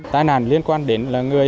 tài nạn liên quan đến là người